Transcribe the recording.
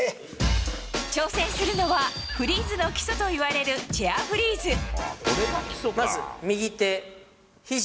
挑戦するのはフリーズの基礎といわれるチェアフリーズ。